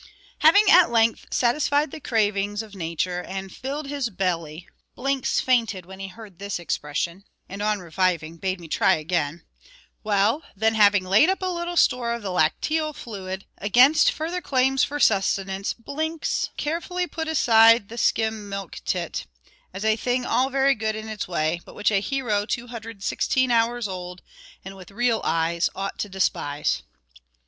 Having at length satisfied the cravings of nature, and filled his belly [Blinks fainted when he heard this expression, and on reviving bade me, try again], well, then having laid up a little store of the lacteal fluid, against further claims for sustenance, Blinks carefully put aside the skim milk tit, as a thing all very good in its way, but which a hero 216 hours old, and with real eyes, ought to despise.